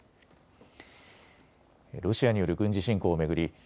ロシアによる軍事侵攻を巡り